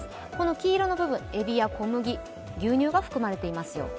黄色の部分、えびや小麦、牛乳が含まれていますよと。